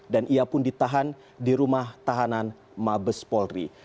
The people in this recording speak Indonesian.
dan ia pun ditahan di rumah tahanan mabes polri